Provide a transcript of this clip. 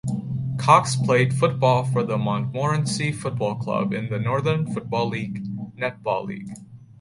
Cox played football for the Montmorency Football Club in the Northern Football Netball League.